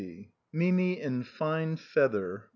MIMI IN FINE FEATHER.